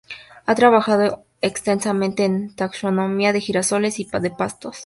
Ha trabajado extensamente en taxonomía de girasoles y de pastos.